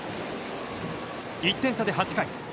１点差で８回。